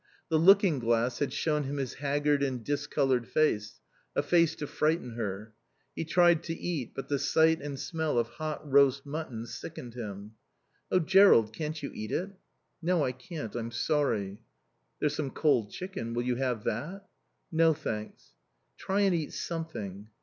The looking glass had shown him his haggard and discoloured face, a face to frighten her. He tried to eat, but the sight and smell of hot roast mutton sickened him. "Oh, Jerrold, can't you eat it?" "No, I can't. I'm sorry." "There's some cold chicken. Will you have that?" "No, thanks." "Try and eat something."